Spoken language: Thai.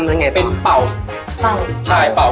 อันนี้ก็เสร็จแล้ว